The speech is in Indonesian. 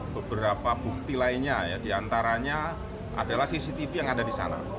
beberapa bukti lainnya ya diantaranya adalah cctv yang ada di sana